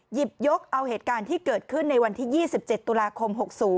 หยิบยกเอาเหตุการณ์ที่เกิดขึ้นในวันที่๒๗ตุลาคม๖๐